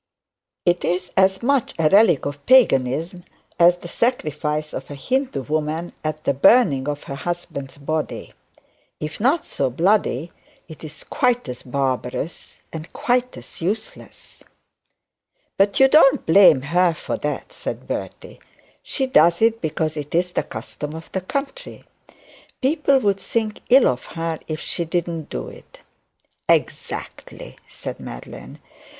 It is as much a relic of paganism as the sacrifice of a Hindu woman at the burning of her husband's body. If not so bloody, it is quite as barbarous, and quite as useless.' 'But you don't blame her for that,' said Bertie. 'She does it because it's the custom of the country. People would think ill of her if she didn't do it.' 'Exactly,' said Madeline.